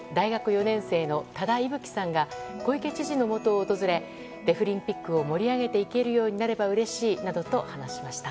４年生の多田伊吹さんが小池知事のもとを訪れデフリンピックを盛り上げていけるようになればうれしいなどと話しました。